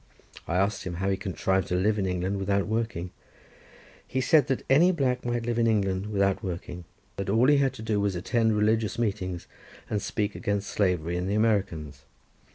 I asked him how he contrived to live in England without working? He said that any black might live in England without working; that all he had to do was to attend religious meetings, and speak against slavery and the Americans.